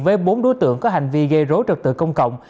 với bốn đối tượng có hành vi gây rối trật tự công cộng